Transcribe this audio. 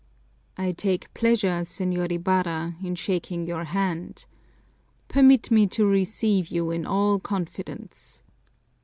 "I take pleasure, Señor Ibarra, in shaking your hand. Permit me to receive you in all confidence."